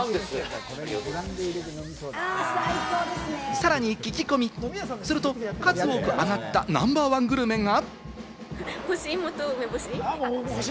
さらに聞き込みすると、数多く上がったナンバー１グルメが。